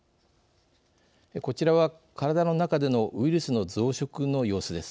こちらは、体の中でのウイルスの増殖の様子です。